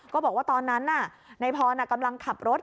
ก็บอกว่าตอนนั้นนายพรกำลังขับรถ